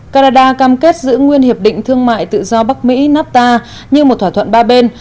canada cam kết giữ nguyên hiệp định thương mại tự do bắc mỹ nafta như một thỏa thuận ba bên